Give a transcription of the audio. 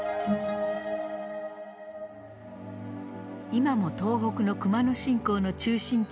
今も東北の熊野信仰の中心地である